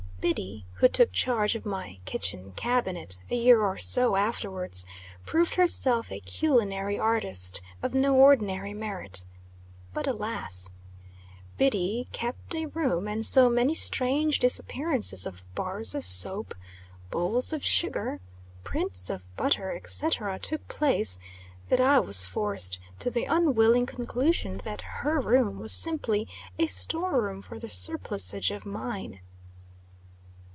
Biddy, who took charge of my "kitchen cabinet," a year or so afterwards, proved herself a culinary artist of no ordinary merit. But, alas! Biddy "kept a room;" and so many strange disappearances of bars of soap, bowls of sugar, prints of butter, etc., took place, that I was forced to the unwilling conclusion that her room was simply a store room for the surplussage of mine.